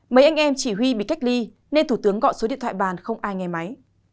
mấy anh em chỉ huy bị cách ly nên thủ tướng gọi số điện thoại bàn không ai nghe máy